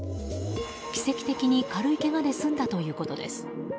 奇跡的に軽いけがで済んだということです。